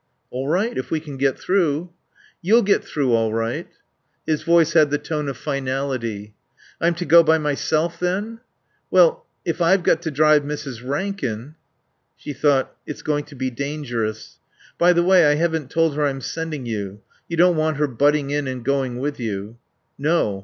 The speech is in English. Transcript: "All right if we can get through." "You'll get through all right." His voice had the tone of finality. "I'm to go by myself then?" "Well if I've got to drive Mrs. Rankin " She thought: It's going to be dangerous. "By the way, I haven't told her I'm sending you. You don't want her butting in and going with you." "No.